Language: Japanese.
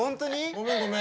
ごめんごめん。